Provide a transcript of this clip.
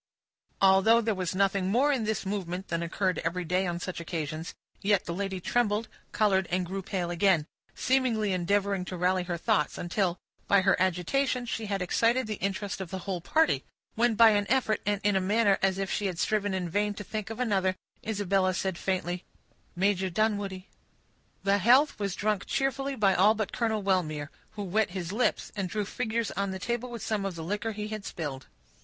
Although there was nothing more in this movement than occurred every day on such occasions, yet the lady trembled, colored, and grew pale again, seemingly endeavoring to rally her thoughts, until, by her agitation, she had excited the interest of the whole party; when by an effort, and in a manner as if she had striven in vain to think of another, Isabella said, faintly,— "Major Dunwoodie." The health was drunk cheerfully by all but Colonel Wellmere, who wet his lips, and drew figures on the table with some of the liquor he had spilled.